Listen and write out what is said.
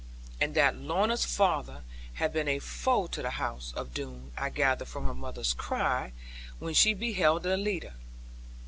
And that Lorna's father had been a foe to the house of Doone I gathered from her mother's cry when she beheld their leader.